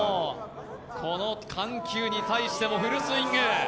この緩急に対してもフルスイング。